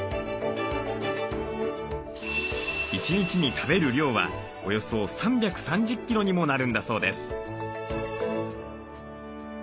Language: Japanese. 一日に食べる量はおよそ３３０キロにもなるんだそうです。